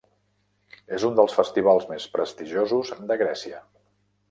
És un dels festivals més prestigiosos de Grècia.